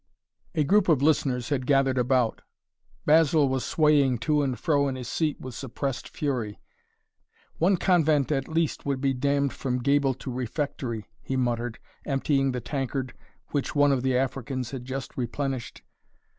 A group of listeners had gathered about. Basil was swaying to and fro in his seat with suppressed fury. "One convent at least would be damned from gable to refectory," he muttered, emptying the tankard which one of the Africans had just replenished.